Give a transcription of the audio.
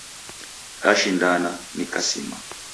Dashindana, nikamsima.